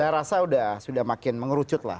saya rasa sudah makin mengerucut lah